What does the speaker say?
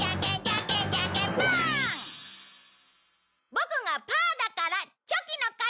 ボクがパーだからチョキの勝ち。